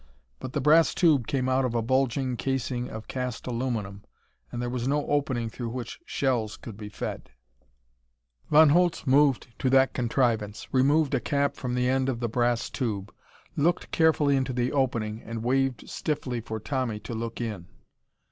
But the brass tube came out of a bulging casing of cast aluminum and there was no opening through which shells could be fed. Von Holz moved to that contrivance, removed a cap from the end of the brass tube, looked carefully into the opening, and waved stiffly for Tommy to look in.